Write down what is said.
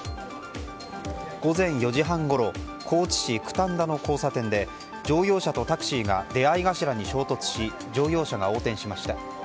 午前４時半ごろ高知市の交差点で乗用車とタクシーが出合い頭に衝突し乗用車が横転しました。